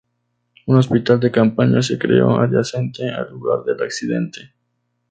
Un hospital de campaña se creó adyacente al lugar del accidente.